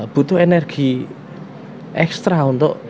butuh energi ekstra untuk